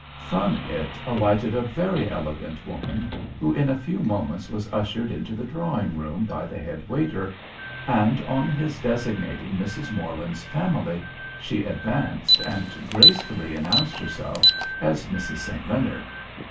From it alighted a very elegant woman, who in a few moments was ushered into the drawing room by the head waiter, and on his designating Mrs. Morland's family, she advanced and gracefully announced herself as Mrs. St. Leonard.